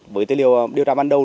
với tên liệu điều tra ban đầu